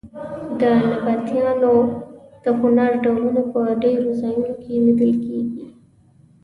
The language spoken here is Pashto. د نبطیانو د هنر ډولونه په ډېرو ځایونو کې لیدل کېږي.